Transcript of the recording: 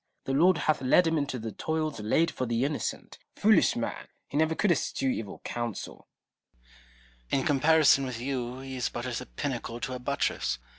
The Lord hath led him into the toils laid for the innocent. Foolish man ! he never could eschew evil counsel. Noble. In comparison with you, he is but as a pinnacle to a buttress.